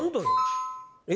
え？